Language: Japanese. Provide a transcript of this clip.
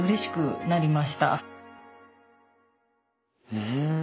うん。